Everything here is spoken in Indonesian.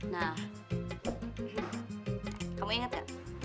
nah kamu ingat kan